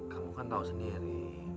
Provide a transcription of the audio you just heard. kamu kan tau sendiri